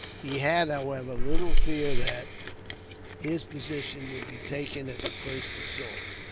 He had, however, little fear that his position would be taken at the first assault.